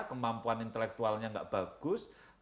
kemampuan intelektualnya tidak bagus